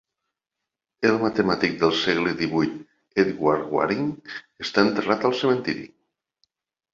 El matemàtic del segle XVIII Edward Waring està enterrat al cementiri.